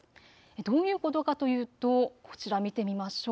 どういうことかというとこちら見てみましょう。